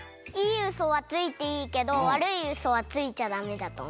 いいウソはついていいけどわるいウソはついちゃダメだとおもう。